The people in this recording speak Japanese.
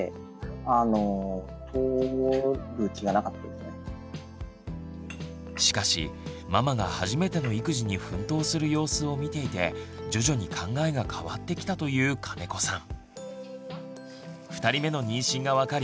ですがしかしママが初めての育児に奮闘する様子を見ていて徐々に考えが変わってきたという金子さん。